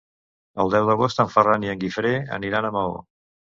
El deu d'agost en Ferran i en Guifré aniran a Maó.